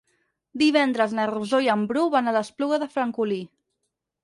Divendres na Rosó i en Bru van a l'Espluga de Francolí.